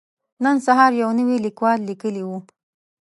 نن سهار يو نوي ليکوال ليکلي وو.